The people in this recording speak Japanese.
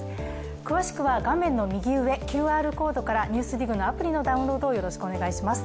詳しくは画面の右上、ＱＲコードから「ＮＥＷＳＤＩＧ」のアプリのダウンロードをよろしくお願いします。